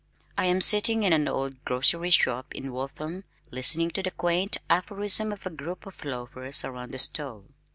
I am sitting in an old grocery shop in Waltham listening to the quaint aphorism of a group of loafers around the stove....